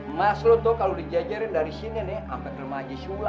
emas lu tuh kalau dijajarin dari sini nih